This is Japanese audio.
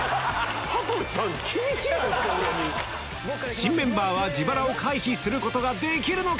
新メンバーは自腹を回避することができるのか？